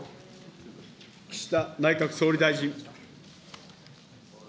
岸田内閣総理大臣。